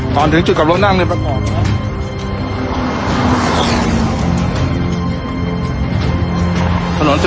ตอนถึงจุดกลับโลกนั่งในประกอบนะครับ